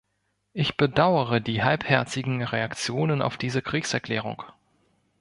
Ich bedauere die halbherzigen Reaktionen auf diese Kriegserklärung.